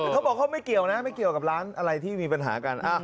เขาบอกเขาไม่เกี่ยวนะไม่เกี่ยวกับร้านอะไรที่มีปัญหากัน